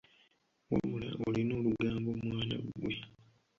Wabula olina olugambo mwana ggwe.